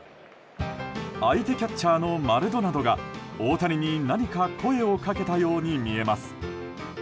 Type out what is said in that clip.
相手キャッチャーのマルドナドが大谷に何か声をかけたように見えます。